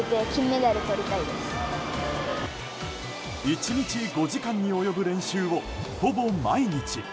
１日５時間に及ぶ練習をほぼ毎日。